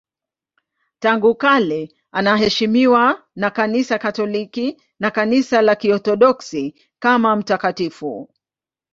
Tangu kale anaheshimiwa na Kanisa Katoliki na Kanisa la Kiorthodoksi kama mtakatifu.